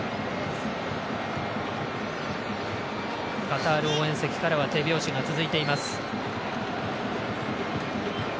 カタール応援席からは手拍子が続いています。